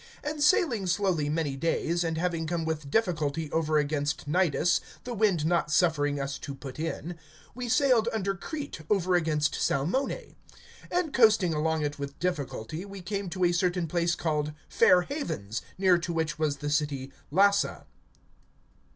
(7)And sailing slowly many days, and having come with difficulty over against Cnidus, the wind not suffering us to put in[27:7], we sailed under Crete, over against Salmone; (8)and coasting along it with difficulty, we came to a certain place called Fair Havens, near to which was the city Lasa.